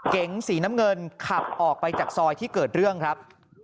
เก๋งสีน้ำเงินขับออกไปจากซอยที่เกิดเรื่องครับ